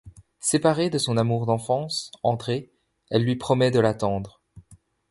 Séparée de son amour d'enfance, André, elle lui promet de l'attendre.